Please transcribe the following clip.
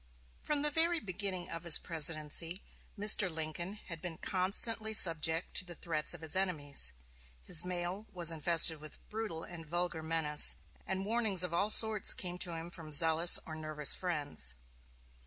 From the very beginning of his presidency, Mr. Lincoln had been constantly subject to the threats of his enemies. His mail was infested with brutal and vulgar menace, and warnings of all sorts came to him from zealous or nervous friends.